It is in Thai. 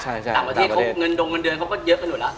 ต่างประเทศเขาเงินดงเงินเดือนเขาก็เยอะกันอยู่แล้ว